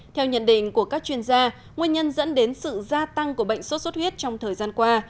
theo nhận định của các chuyên gia nguyên nhân dẫn đến sự gia tăng của bệnh sốt xuất huyết trong thời gian qua